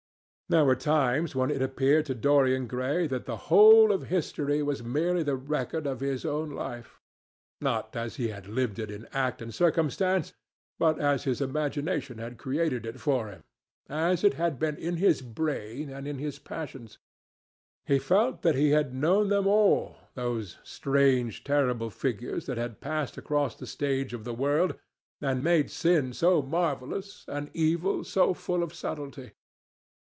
There were times when it appeared to Dorian Gray that the whole of history was merely the record of his own life, not as he had lived it in act and circumstance, but as his imagination had created it for him, as it had been in his brain and in his passions. He felt that he had known them all, those strange terrible figures that had passed across the stage of the world and made sin so marvellous and evil so full of subtlety.